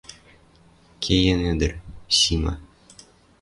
Кеен ӹдӹр, Сима.